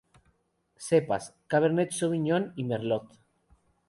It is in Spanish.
Cepas: Cabernet sauvignon y merlot.